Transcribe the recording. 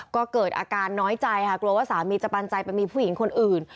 ก็เกิดอาการน้อยใจค่ะกลัวว่าสามีจะปันใจไปมีผู้หญิงคนอื่น